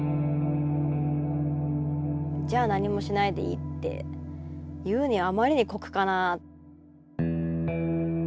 じゃあ何もしないでいいって言うにはあまりに酷かな。